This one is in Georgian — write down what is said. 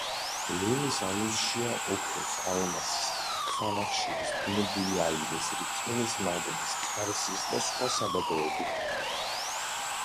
ლენის აუზშია ოქროს, ალმასის, ქვანახშირის, ბუნებრივი აირის, რკინის მადნის, ქარსის და სხვა საბადოები.